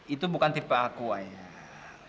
itu bukan tipe aku ayah